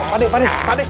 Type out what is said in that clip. pakde pakde pakde